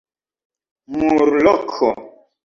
Murloko.